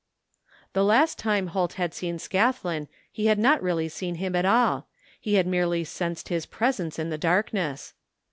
The last time Holt had seen Scathlin he had not really seen him at all, he had merely sensed his presence in the darkness.